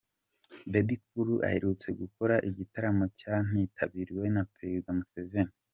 Bebe Cool aherutse gukora igitaramo cyanitabiriwe na Perezida Museveni.